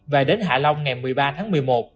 và đến hạ long ngày một mươi ba tháng một mươi một